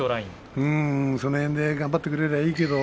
その辺で頑張ってくれればいいけど。